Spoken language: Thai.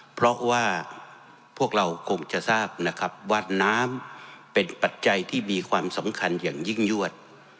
เพราะว่าพวกเราคงจะทราบนะครับว่าน้ำเป็นปัจจัยที่มีความสำคัญอย่างยิ่งยวด